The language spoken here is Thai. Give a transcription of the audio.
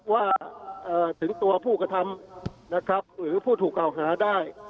ว่าถึงตัวผู้กระทำหรือผู้ถูกเก่าหาได้